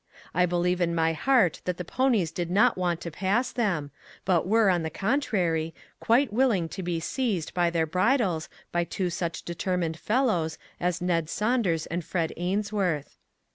I believe in my heart that the ponies did not want to pass them, but were, on the contrary, quite willing to be seized by their bridles by two such determined fellows as Ned Saunders and Fred Ainsworth.